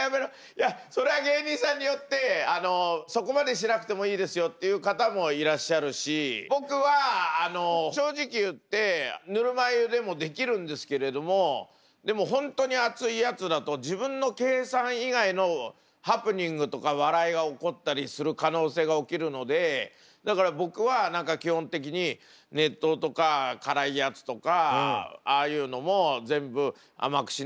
いやそれは芸人さんによってそこまでしなくてもいいですよっていう方もいらっしゃるし僕は正直言ってぬるま湯でもできるんですけれどもでも本当に熱いやつだと可能性が起きるのでだから僕は何か基本的に熱湯とか辛いやつとかああいうのも全部甘くしないでください